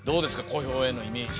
小兵へのイメージ。